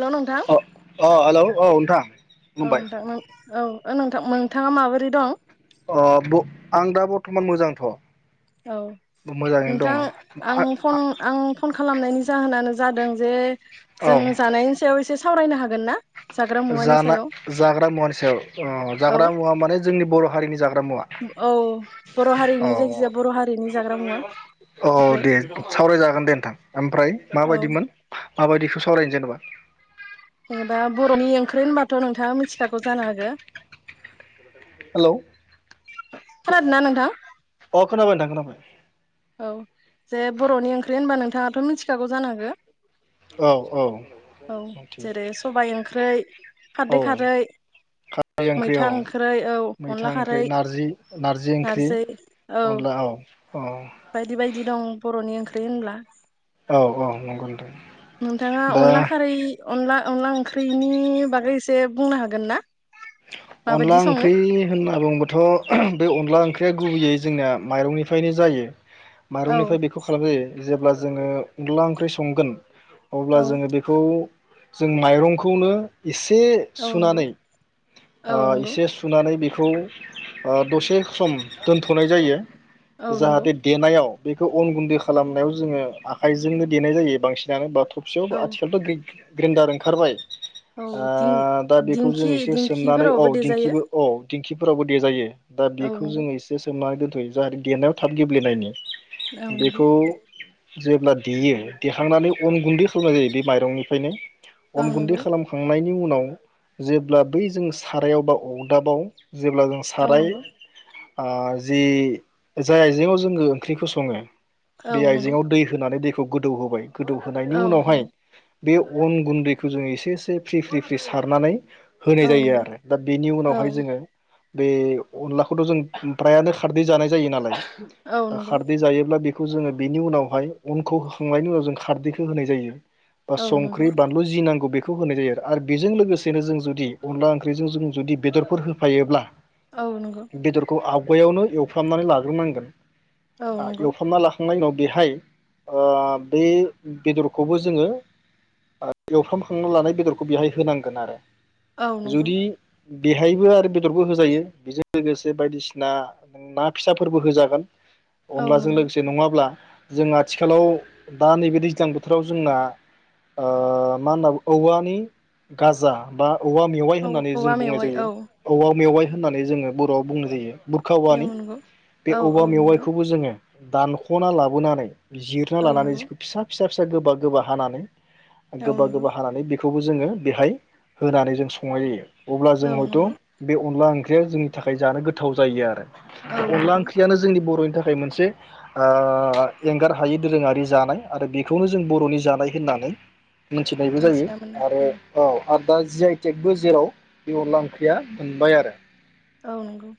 Hello नोंथां अ अ हेलौ औ नोंथां औ खुलुमबाय दां औ ओ नोंथां नोंथाङा माबोरै दं अ ब आं दा बर्थमान मोजांथ औ मोजाङैनो दङ नोंथां आं फन आं फन खालाम खालामनायनि जाहोनानो जादों जे औ जों जानायनि सायाव एसे सा सावरायनो हागोन ना जाग्रा मुवानि जाना सायाव जाग्रा मुवानि सायाव अ औ जाग्रा मुवा माने जोंनि बर' हारिनि जागो जाग्रा मुवा औ बर' अ हारिनि जायखिजाया बर' हारिनि जाग्रा मुवा औ ओमफ्राय दे सावरायजागोन दे नोंथां ओमफ्राय औ माबायदिमोन माबायदिखौ सावरायनो जेनेबा जेनेबा बर'नि ओंख्रि होनबाथ' नोंथाङा मिथिखागौ जानो हागो हेलौ खोनादों ना नोंथां? अ खोनाबाय नोंथां खोनाबाय औ जे बर'नि ओंख्रि होनबा नोंथाङाथ' मिथिखागौ जानांगो औ औ औ जेरै मिथिबाय सबाय ओंख्रै औ खारदै खारै खारै ओंख्रि औ मैथा ओंख्रै औ मैथा अनला ओंख्रि खारै नारजि ओंख्रि नारजि औ अनला औ बायदि बायदि दं बर'नि ओंख होनब्ला औ औ नंगौ नोंथां नोंथाङा दा अनला खारै अनला अनला ओंख्रिनि बागै एसे बुंनो हागोन ना। अनला माबायदि सङो ओंख्रि होनना बुंङोबाथ' बे अनला ओंख्रिया गुबैयै जोंनिया माइरंनि। फायनो जायो। औ माइरंनिफ्राय बेखौ खालाम जायो। जेब्ला जोङो अनला ओंख्रि संगोन। अब्ला औ जोङो बेखौ। जों माइरंखौनो। एसे औ नंगौ सुनानै। औ ओ नंगौ इसे सुनानै। बेखौ ओ दसे सम दोनथ'नाय जायो। औ नंगौ जाहाथे देनायाव। बेखौ अन गुन्दै खालामनायाव जोङो आखाइजोंनो देनाय जायो बांसिनानो बाथौ। थफियाव औ आथिखालथ [unintelligible] ग्रेन्डार ओंखारबाय। औ ओ दिं दा बेखौ जों दिंखि एसे सोमनानै। औ दिंखिफोरावबो देजायो दिंखिबो अ। दिंखिफोरावबो देजायो। दा औ बेखौ नंगौ जोंङो एसे सोमनानै दोन जाहाते देनायाव थाब गेब्लेनायनि। ओं नोंगौ। बेखौ जेब्ला देयो देखांनानै अन गुन्दै खालामनाय जायो बे माइरंनिफ्रायनो। औ अन गुन्दै नंगौ खालामखांनाय। नि उनाव जेब्ला बै जों सारायाव बा अदाबाव। जेब्ला जों औ साराय नंगौ ओ जि जाय आइजेंङाव जोंङो ओंख्रिखौ सङो। औ बे नंगौ आइजेंआव दै होनानै दै। खौ गोदौ होबाय। गोदौहोनायनि औ उनावहाय। बे अन गुन्दैखो जों एसे एसे फ्रि फ्रि फ्रि सारनानै। होनाय औ जायो नंगौ आरो। दा बेनि औ उनावहाय जोङो। बे अनलाखौथ जों फ्रायानो खारदै जानाय जायो नालाय। औ दा नंगौ खारदै जायोब्ला बे बेखौ जोंङो बेनि उनावहाय उनखौ होखांनायनि उनाव जों खारदैखौ होनाय जायो। ओ औ नंगौ औ नंगौ संख्रि बानलु जि नांगौ बे खौ होनाय जायो आरो बेजों लोगोसेनो जों जुदि अनला ओंख ओंख्रिजों जों जुदि बेदरफोर होफायोब्ला औ नंगौ बेदरखौ आ बेयावनो एवफ्रामनानै लाग्रोनांगोन। औ नंगौ एवफ्रामना लाखांनायनि उनाव बेहाय ओ बे बेदरखौबो जोंङो ओ एवफ्रामखांना लानाय बेदरखौ बेहाय होनांगोन आरो। औ नंगौ। जुदि बेहायबो आरो बेदरबो होजायो बेजों लोगोसे बायदिसिना ना फिसाफोरबो होजागोन। औ अनलाजों नंगौ लोगोसे नङाब्ला जों आथिखालाव बा नैबे दैज्लां बोथोराव जोंना ओ मा होनना औवानि गाजा बा औवा मे औ होननानै जों औवा बुंनाय मेवाइ जायो औ औवा मेवाइ होननानै जोङो बर'आव बुंनाय जायो। बुरखा औवानि औ नंगौ बे औ औ औवा नंगौ मेवाइखौबो जोङो दानख'ना लाबोनानै जिरना औ लानानै नंगौ जिखौ फिसा फिसा फिसा गोबा गोबा हानानै औ गोबा नंगौ गोबा हानानै बे खौबो जोङो बेहाय होनानै जों सं संनाय जायो। अब्ला जों औ हयथ' नंगौ बे अनला ओंख ओंख्रिया जोंनि थाखाय जानो गोथाव जायो आरो। औ अनला नंगौ ओंख्रियानो जोंनि बर'नि नि थाखाय मोनसे ओ एंगार हायि दोरोङारि जानाय आरो बेखौनो जों बर'नि जानाय होननानै मिथिनायबो जायो मिथिना मोनो आरो औ आरो। दा जि आइ थेगबो जेराव बे अन्ला ओंख्रिया मोनबाय आरो। औ नंगौ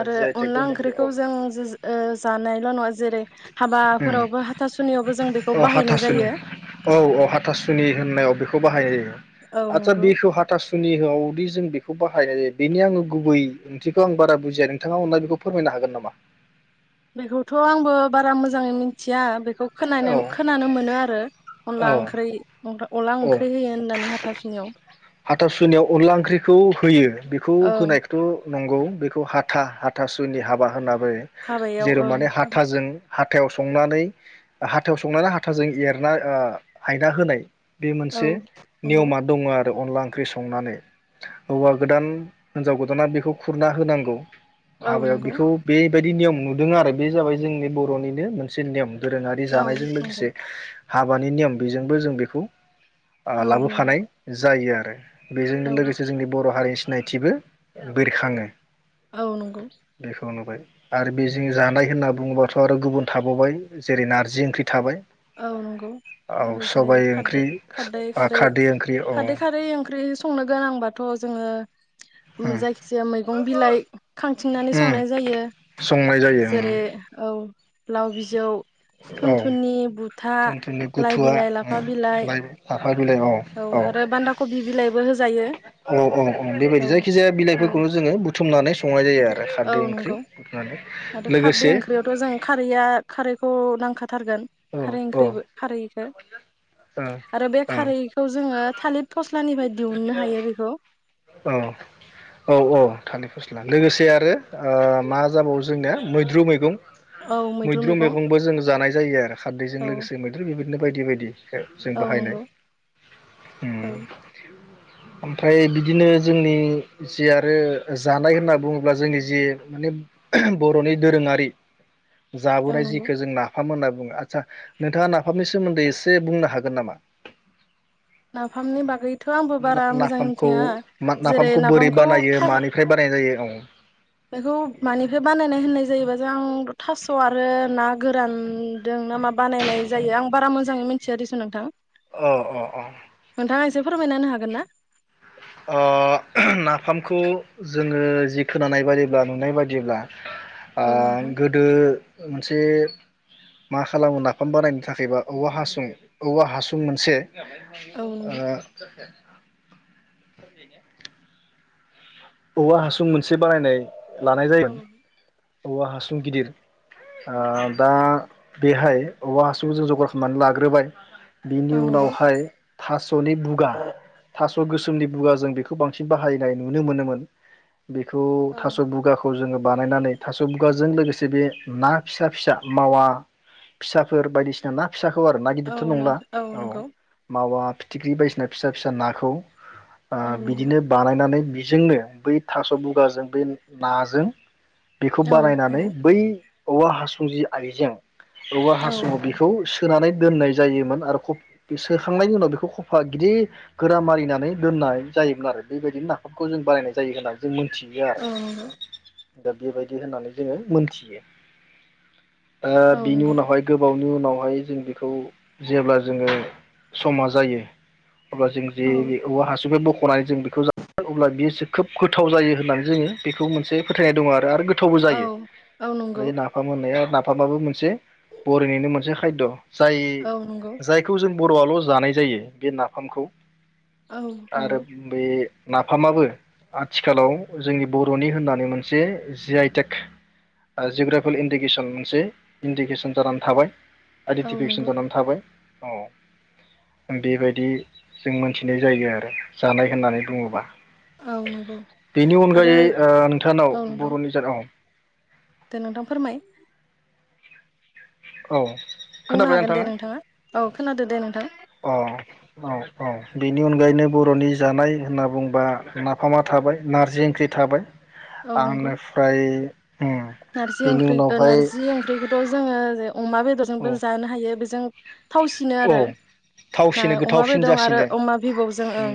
आरो जि आइ टेकबो अनला मोनबाय औ ओंख्रिखौ जों ओ जानायल' नङा जेरै हाबाफोरावबो हाथासुनियावबो जों बेखौ बाहायनाय जायो। सुनि होननायाव बेखौ बाहायनाय जायो। औ आतसा नंगौ दैखौ हा थासुनिआवदि जों बेखौ बाहायनाय जायो बेनि आङो गुबै ओंथिखौ आं बारा बुजिया नोंथाङा अनना बेखौ फोरमायनो हागोन नामा? बेखौथ' आंबो बारा मोजाङै मिथिया बे खौ औ खोनानो खोनानो मोनो आरो। अनला औ ओंख्रि अनला औ ओंख्रि होयो होननानै ह हाथासुनियाव हाथासुनियाव अनला ओंख्रिखौ होयो बेखौ ओं होनायखौथ नंगौ बेखौ हाथा हाथासुनि हाबा होनना बुंङो हाबायाव जेराव ओं माने हाबा हाथाजों हाथायाव संनानै हाथायाव संनानै हाथाजों एरना हायना होनाय बे औ मोनसे नंगौ नियमा दंङ आरो अनला ओंख्रि संनानै हौवा गोदान हिनजाव गोदाना बेखौ खुरना होनांगौ औ हाबायाव नंगौ बेखौ बे बेबायदि नियम नुदों आरो बे जाबाय जोंनि बर'निनो मोनसे नियम। दोरोंङारि औ जानायजों नंगौ लोगोसे हाबानि नियम बेजोंबो जों बेखौ औ नंगौ लाबोफानाय जायो आरो। बेजोंनो औ लोगोसे जोंनि बर हारि सिनायथिबो बिरखाङो। औ नंगौ आरो बेजों जानाय होनना बुङोबाथ आरो गुबुन थाबावबाय जेरै नारजि ओंख्रि थाबाय। औ नंगौ औ आरो जेरै सबाय खारदै ओंख्रि खारदैै खारै खारदै ओंख्रि औ खारदै खारै ओंख्रि संनो गोनांबा दाथ जोंङो उम जायखिजाया मैगं बिलाइ खांथिंनानै उम संनाय जायो संनाय जायो उम जेरै औ। लाव बिजौ औ थुनथुनि गुथा थुनथुनि गुथुवा बिलाइ उम लाफा बिलाइ लाइ लाफा बिलाइ औ आरो बान्दाकबि बिलाइबो हो जायो। औ औ औ बेबायदि जायखि जाया औ बिलाइफोरखौनो जोंङो [unintelligible] संनाय जायो बुथुम आरो औ खारदै ओंख्रि नंगौ गुरनानै आरो खारदै ओंख्रियावथ जों खारैया खारैखौ नांखा थारगोन औ खारै औ ओंख्रिबो खारैखो औ आरो बे खारैखौ जों ओ थालिद फस स्लानि फाय दिहुननो हायो बेखौ औ औ औ थालि फस्ला लोगोसे आरो मा जाबावो जोंनिया मैद्रु मैगं औ मैद्रु मैगं मैगंबो जों जानाय जायो आरो खारदैजों औ लोगोसे मैद्रु बेबायदि बेनो बायदि बायदि। जों औ बाहायनाय नंगौ उम औ ओमफ्राय बिदिनो जोंनि जि आरो जानाय होनना बुङोब्ला जोंनि जे माने बर'नि दोरोङारि औ जाबोनाय नंगौ जिखो जों नाफाम होनना आदसा नोंथाङा नाफामनि सोमोन्दै एसे बुंनो हागोन नामा? नाफामनि बागै थ आंबो बारा मोजां नाफामखौ मिथिया जेरै बोरै नाफामखौ बानायो था मानिफ्राय बानायनाय जायो बेखौ मानिफ्राय बानायनाय होननाय जायोबा आंथ थास आरो ना गोरानदों ना मा बानायनाय जायो आं बारा मोजाङै मिथिया दिस नोंथां अ अ नोंथाङा एसे फोरमायनानो हागोन गोन ना? अ नाफामखौ जोङो जि खोनानाय बायदिब्ला नुनाय बायदिब्ला औ आह नोंथां गोदो मोनसे मा खालामो नाफाम बानायनो थाखायबा औवा हासुं औवा हासुं मोनसे औ नंगौ ओ [inaudible] औवा हासुं मोनसे बानायनाय लानाय जायोमोन औ औवा हासुं गिदिर ओ दा बेहाय औवा हासुखौ जों जगार खालामनानै लाग्रोबाय बिनि नंगौ उनावहाय थासनि बुगा थास गोसो नि बुगा जों बेखौ बांसिन बाहायनाय नुनो मोनोमोन बेखौ औ थास बुगाखौ जोङो बानायनानै थास बिगाजों लोगोसे बे ना फिसा फिसा मावा फिसाफोर बायदिसिना ना फिसाखौ आरो ना औ गिदिरथ नंला नंगौ औ नंगौ मावा फिथिख्रि बायदिसिना फिसा फिसा नाखौ ओ औ नंगौ बिदिनो बानायनानै बि जोंङो बै थास बुगाजों बै नाजों बेखौ बारायनानै बै औवा हासुं जि आइजें औवा हासुङाव बेखौ सोनानै दोननाय जायोमोन आरो खब सोखांनायनि उनाव बेखौ खफा गिदिर गोरा मारिनानै दोननाय जायोमोन आरो बेबायदिनो नाामखौ जों बानायनाय जायोहोना जों मिथियो आरो औ नंगौ दा बेबायदि होननानै जोङो मोनथियो ओ औ बिनि नंगौ उनावहाय गोबाव नि उनावहाय जों बेखौ जेब्ला जोङो समा जायो अब्ला जों औ जि औवाहासुनिफाय बख बखना जों बेखौ जा अब्ला बियो खोब गोथाव जायो होननानै जोङो बेखौ मोनसे फोथायनाय दङ आरो थावबो औ जायो औ नंगौ माने नाफाम मोननाया ना फामाबो मोनसे बरिनिनो मोनसे खायद जाय औ नंगौ जायखौ जों बर'आल जानाय जायो बे नाफामखौ औ नंगौ आरो बे नाफामाबो आथिखालाव जोंनि बर'नि होननानै मोनसे जि आइ टेक ओ जोग्राफिल इन्दिकेसन मोनसे इन्दिकेसन जानानै थाबाय औ आइडिटिफिकेसन नंगौ जानानै थाबाय औ बेबायदि जों मोनथिनाय जायो आरो जानाय होननानै बुङोबा औ नंगौ बेनि आरो अनगायै ओ नोंथांनाव औ नोंथां बर'नि जाद औ दे नोंथां फोरमाय औ बुंनो हागोन दे नोंथाङा औ खोनादो दे नोंथां अ औ औ बेनि अनगायैनो बर'नि जानाय होनना बुंबा नाफामा थाबाय नारजि ओंख्रि थाबाय औ नंगौ आंनोफ्राय नारजि ओंख्रै ओ नारजि ओंख्रिखौ थ' जोङो जेव अमा बेदरजोंबो औ जानो हायो बेजों थावसिनो औ आरो ना थावसिनो अमा गोथावसिन बेदं आरो जासिनो अमा बिबौजों ओं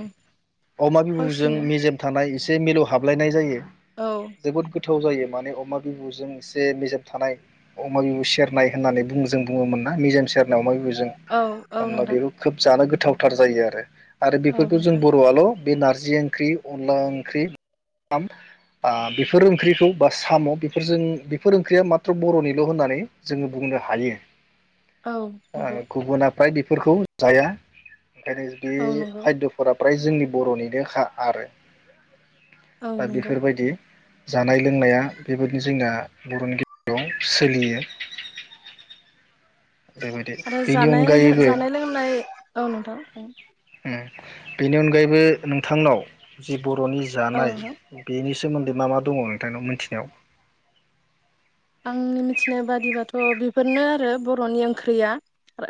ओम अमा बिबुजों थावसिनो मेजेम थानाय एसे मिलौ हाबलायनाय जायो औ जोबोद गोथ थाव जायो माने अमा बिबुजों एसे मेजेम थानाय अमा बिबु सेरनाय होननानै बुं जों बुङोमोन ना मेजेम सेरनाय अमा बिबु औ औ आंना नोंथां बेबो खोब जानो गोथ थावथार जायो आरो आरो औ बेफोरखौ जों नोंथां बर आल बे नारजि ओंख्रि अनला ओंख्रि फाम बा बेफोर ओंख्रिखौ बा साम' बेफोरजों बेफोर ओंख्रिया माथ्र बरनिल होननानै जोंङो बुंनो हायो औ नंगौ ओ गुबुना फ्राय बेफोरखौ जाया ओंखायनो औ जुदि नंगौ खायदफोराब फ्राय जोंनि बरनिनो खा आरो औ दा नंगौ बेफोरबायदि जानाय लोंनाया बेबादि जोंना बरनि गेजेराव सोलियो बेबायदि आरो बेनि जानाय अनगायैबो जानाय लोंनाय औ नोंथां औ ओम बेनि अनगायैबो नोंथांनाव जिब बर'नि औ जानाय नोंथां बे- सोमोन्दै मा मा दङ नोंथांनाव मिथिनायाव आंनि मिथिनाय बादिबाथ बेफोरनो आरो बर'नि ओंख्रिया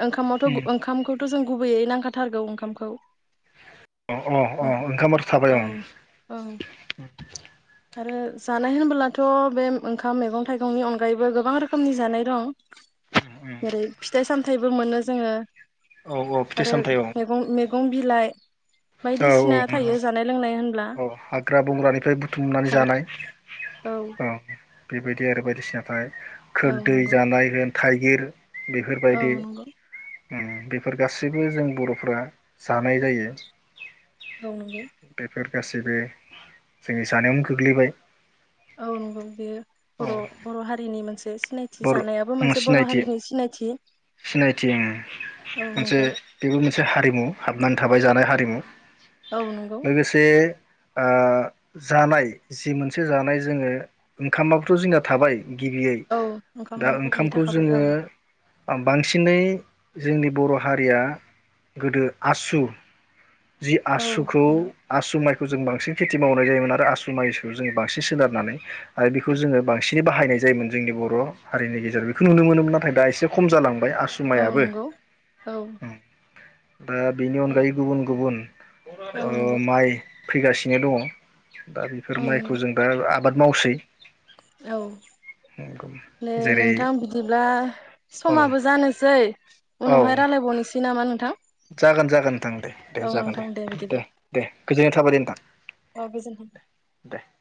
ओंखामावथ उम ओंखामखौथ जों गुब- गुबैयै नांखाथारगौ ओंखामखौ अ अ औ अ ओंखामाथ थाबाय अ औ आरो जानाय होनबोलाथ' बे ओंखाम मैगं थाइगंनि अनगायैबो गोबां रोखोमनि जानाय दं उम जेरै फिथाइ सामथाइबो मोनो जोंङो औ औ फिथाइ आरो सामथाइ औ मेगं मेगं बिलाइ औ बायदिसिना मोजां थायो जानाय लोंनाय- होनब्ला औ हाग्रा बंग्रानिफ्राय बुथुमनानै- हाग्रा जानाय औ बेबायदि आरो बायदिसिनाथाय औ खोरदै नंगौ जानाय होन- थाइगिर औ बेफोरबायदि नंगौ उम बेफोर गासैबो जों बरफ्रा जानाय जायो औ नंगौ बेफोर गासैबो जोंनि जानायावनो खोग्लैबाय औ नंगौ बेयो बर बर हारिनि मोनसे सिनायथि बर' जानायाबो मोनसे बर सिनायथि हारिनि सिनायथि सिनायथि उम औ मोनसे नंगौ बेबो मोनसे हारिमु। हाबनानै थाबाय जानाय हारिमु औ नंगौ लोगोसे ओ जानाय जि मोनसे जानाय जोङो ओंखामाबोथ' जोंना थाबाय। गिबियै औ दा ओंखामाव गुबैयै ओंखामखौ थाखाबाय जोङो औ बांसिनै जोंनि बर' हारिया गोदो आसु जि औ आसुखौ आसु माइ खौ जों बांसिन खेथि मावनाय जायोमोन आरो आसु माइजों बांसिन सोनारनानै आरो बेखौ जोङो बांसिनै बाहायनाय जायोमोन जोंनि बर' हारिनि गेजेराव बेखौ नुनो मोनोमोन नाथाय दा एसे खम जालां बाय आसु औ मायाबो नंगौ औ ओ बेनि अनगायै गुबुन गुबुन औ ओ नंगौ माइ फैगासिनो दङ। दा औ बिफोर माइखौ नंगौ जों दा आ बाद मावसै। औ दे जेरै नोंथां बिदिब्ला औ समाबो जानोसै औ उनावहाय रायलायबावनोसै नामा नों जागोन जागोन नोंथां दे दे जागोन दे दे दे। गोजोननाय थाबाय दे नोंथां। अ गोजोनथों। दे